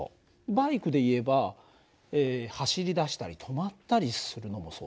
バイクでいえば走り出したり止まったりするのもそうだよね。